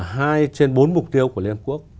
hai trên bốn mục tiêu của liên hợp quốc